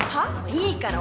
いいから。